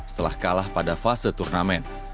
setelah kalah pada fase turnamen